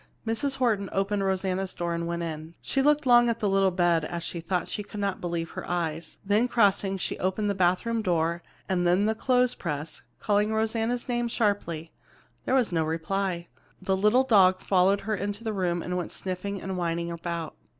Mrs. Horton opened Rosanna's door and went in. She looked long at the little bed as though she could not believe her eyes. Then crossing, she opened the bathroom door, and then the clothespress, calling Rosanna's name sharply. There was no reply. The little dog followed her into the room and went sniffing and whining about.